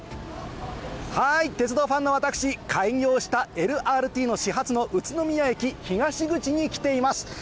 鉄道ファンの私、開業したＬＲＴの始発の宇都宮駅東口に来ています。